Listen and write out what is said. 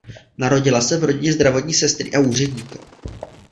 Narodila se v rodině zdravotní sestry a úředníka.